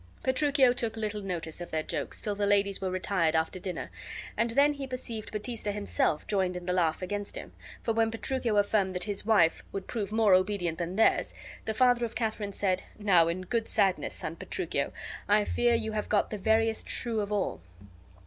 Petruchio took little notice of their jokes till the ladies were retired after dinner, and then he perceived Baptista himself joined in the laugh against him, for when Petruchio affirmed that his wife would prove more obedient than theirs, the father of Katharine said, "Now, in good sadness, son Petruchio, I fear you have got the veriest shrew of all."